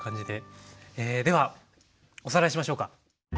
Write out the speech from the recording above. ではおさらいしましょうか。